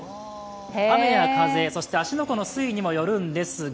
雨や風、そして芦ノ湖の水位にもよるんですが